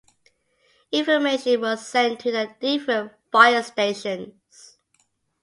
Information was sent to the different fire stations.